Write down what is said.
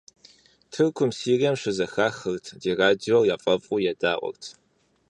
Тыркум, Сирием щызэхахырт ди радиор, яфӀэфӀу едаӀуэрт.